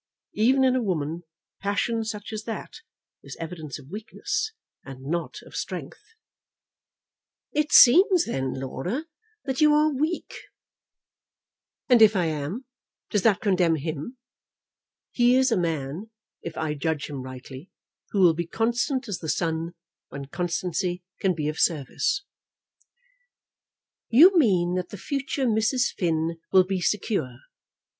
Even in a woman passion such as that is evidence of weakness, and not of strength." "It seems, then, Laura, that you are weak." "And if I am, does that condemn him? He is a man, if I judge him rightly, who will be constant as the sun, when constancy can be of service." "You mean that the future Mrs. Finn will be secure?"